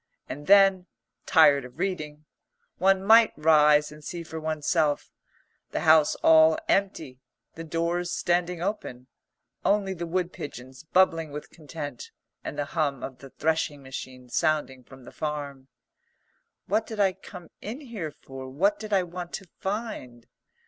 And then, tired of reading, one might rise and see for oneself, the house all empty, the doors standing open, only the wood pigeons bubbling with content and the hum of the threshing machine sounding from the farm. "What did I come in here for? What did I want to find?"